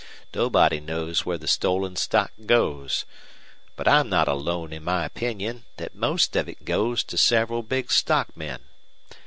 Nobody knows where the stolen stock goes. But I'm not alone in my opinion that most of it goes to several big stockmen.